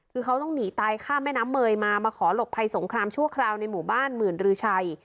คือเขาต้องหนีตายข้ามแม่น้ำเมยมามาขอหลบภัยสงครามชั่วคราวในหมู่บ้านหมื่นรือชัย